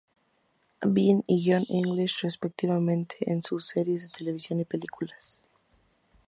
Bean" y "Johnny English" respectivamente en sus series de televisión y películas.